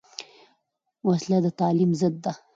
وسله د تعلیم ضد ده